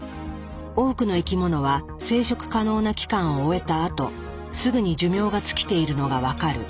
多くの生き物は生殖可能な期間を終えたあとすぐに寿命が尽きているのが分かる。